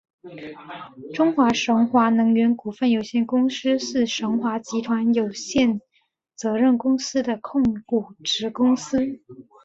中国神华能源股份有限公司是神华集团有限责任公司的控股子公司。